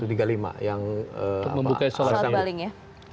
untuk membuka sholat baling ya